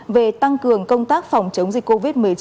về tăng cường công tác phòng chống dịch covid một mươi chín